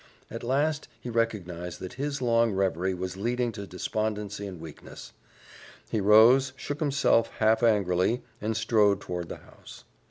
At last he recognized that his long reverie was leading to despondency and weakness; he rose, shook himself half angrily, and strode toward the house.